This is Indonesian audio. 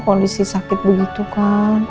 kondisi sakit begitu kan